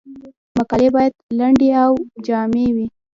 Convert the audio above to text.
مقالې باید لنډې او جامع وي.